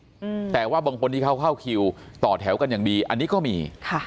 อืมแต่ว่าบางคนที่เขาเข้าคิวต่อแถวกันอย่างดีอันนี้ก็มีค่ะ